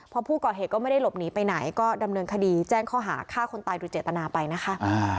พอผู้ก่อเหตุก็ไม่ได้หลบหนีไปไหนก็ดำเนินคดีแจ้งข้อหาฆ่าคนตายโดยเจตนาไปนะคะ